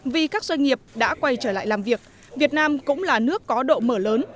vì các doanh nghiệp đã quay trở lại làm việc việt nam cũng là nước có độ mở lớn